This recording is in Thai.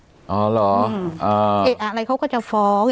เอ๊ะอะไรเขาก็จะฟ้องอะไรเขาก็จะฟ้อง